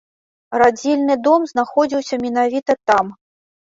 Радзільны дом знаходзіўся менавіта там.